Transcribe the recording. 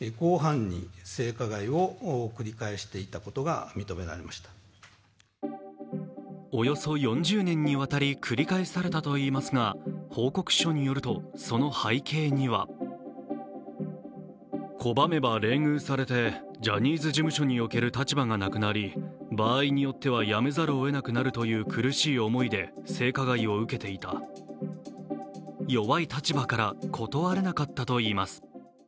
昨日の会見ではおよそ４０年にわたり、繰り返されたといいますが報告書によると、その背景には弱い立場から断れなかったといいます。